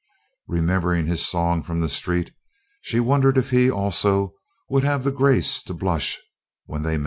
Remembering his song from the street, she wondered if he, also, would have the grace to blush when they met.